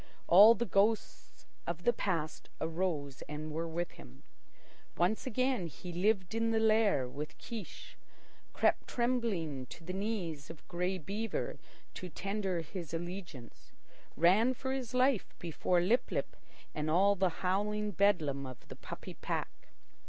All the ghosts of the past arose and were with him. Once again he lived in the lair with Kiche, crept trembling to the knees of Grey Beaver to tender his allegiance, ran for his life before Lip lip and all the howling bedlam of the puppy pack.